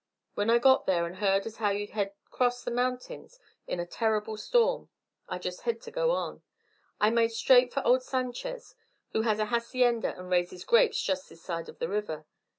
When I got there and heard as how you hed crossed the mountains in a terrible storm I just hed to go on. I made straight for old Sanchez', who has a hacienda and raises grapes just this side of the river.